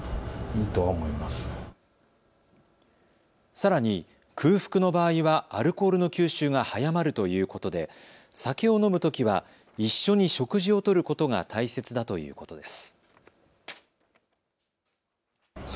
さらに空腹の場合はアルコールの吸収が早まるということで酒を飲むときは一緒に食事をとることが大切だということです。